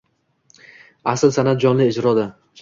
Asl san’at jonli ijroda